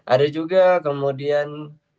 ada juga kemudian